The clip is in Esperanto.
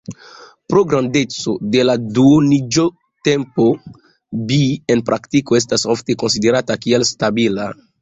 Pro grandeco de la duoniĝotempo, Bi en praktiko estas ofte konsiderata kiel stabila.